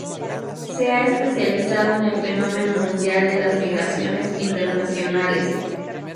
Se ha especializado en el fenómeno mundial de las migraciones internacionales.